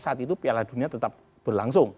saat itu piala dunia tetap berlangsung